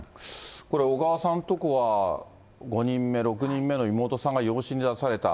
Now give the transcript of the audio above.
これ、小川さんのとこは５人目、６人目の妹さんが養子に出された。